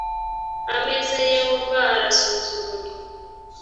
ameza ya yehova arasuzugurwa